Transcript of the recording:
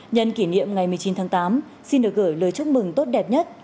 nhân kỷ niệm ngày một mươi chín tháng tám xin được gửi lời chúc mừng tốt đẹp nhất